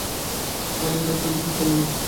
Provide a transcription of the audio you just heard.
তাহলেও আমি ব্যাপারটা বিশ্বাস করব না।